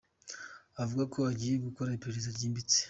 Avuga ko agiye gukora iperereza ryimbitse.